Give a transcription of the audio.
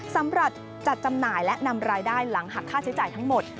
สำหรับจัดจำหน่ายและนำรายได้หลังหักค่าใช้จ่ายทั้งหมด